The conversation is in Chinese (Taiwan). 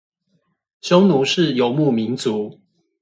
匈奴是游牧民族